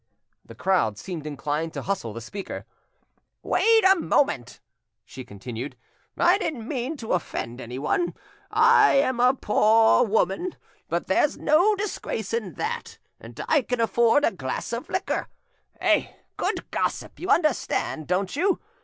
The crowd seemed inclined to hustle the speaker,— "Wait a moment!" she continued, "I didn't mean to offend anyone. I am a poor woman, but there's no disgrace in that, and I can afford a glass of liqueur. Eh, good gossip, you understand, don't you?